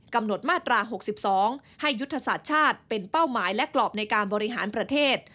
กำหนดมาตรา๖๒ให้ยุทธศาสตร์ชาติเป็นเป้าหมายและกรอบในการบริหารประเทศ